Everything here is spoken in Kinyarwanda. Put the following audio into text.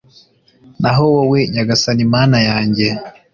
Naho wowe Nyagasani Mana yanjye